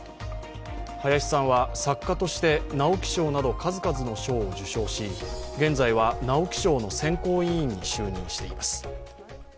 林さんは作家として直木賞など数々の賞を受賞し、現在は直木賞の選考委員に就任しています。